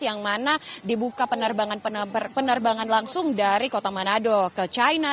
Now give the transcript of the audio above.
yang mana dibuka penerbangan langsung dari kota manado ke china